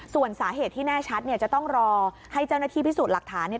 ส่วนสาเหตุที่แน่ชัดเนี่ยจะต้องรอให้เจ้าหน้าที่พิสูจน์หลักฐาน